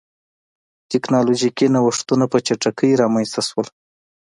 ټکنالوژیکي نوښتونه په چټکۍ رامنځته شول.